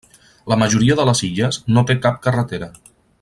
La majoria de les illes no té cap carretera.